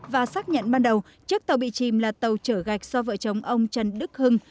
và xác nhận ban đầu chiếc tàu bị chìm là tàu trở gạch do vợ chồng ông trần đức hưng